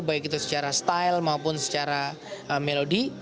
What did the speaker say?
baik itu secara style maupun secara melodi